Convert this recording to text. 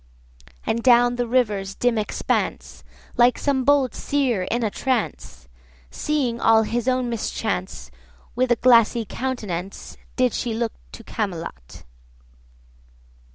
And down the river's dim expanse— Like some bold seer in a trance, Seeing all his own mischance— With a glassy countenance 130 Did she look to Camelot.